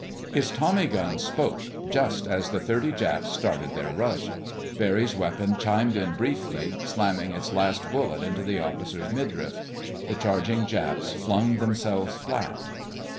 His tommy gun spoke, just as the thirty Japs started their rush. Barry's weapon chimed in briefly, slamming its last bullet into the officer's midriff. The charging Japs flung themselves flat.